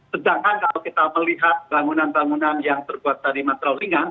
sedangkan kalau kita melihat bangunan bangunan yang terbuat dari material ringan